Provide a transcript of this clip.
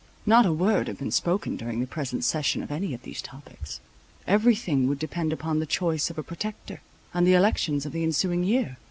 Not a word had been spoken during the present session on any of these topics. Every thing would depend upon the choice of a Protector, and the elections of the ensuing year.